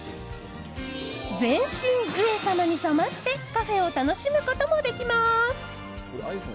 全身、上様に染まってカフェを楽しむこともできます。